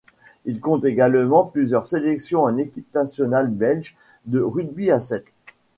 Il compte également plusieurs sélections en équipe nationale belge de rugby à sept.